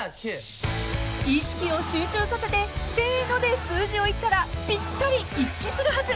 ［意識を集中させてせので数字を言ったらぴったり一致するはず］